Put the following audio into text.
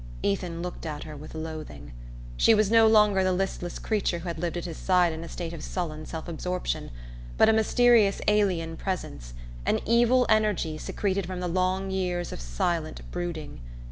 Ethan looked at her with loathing. She was no longer the listless creature who had lived at his side in a state of sullen self absorption, but a mysterious alien presence, an evil energy secreted from the long years of silent brooding.